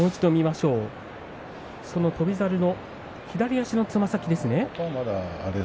翔猿の左足のつま先ですね。